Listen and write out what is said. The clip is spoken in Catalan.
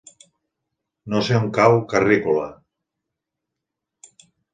No sé on cau Carrícola.